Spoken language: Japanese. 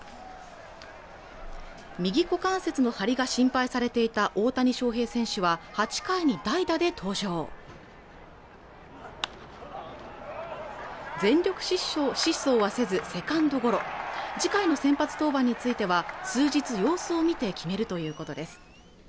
右股関節の張りが心配されていた大谷翔平選手は８回に代打で登場全力疾走はせずセカンドゴロ次回の先発登板については数日様子を見て決めるということです